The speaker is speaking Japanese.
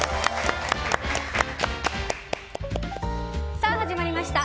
さあ始まりました